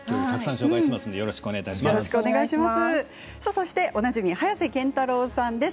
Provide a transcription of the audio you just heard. そして、おなじみ早瀬憲太郎さんです。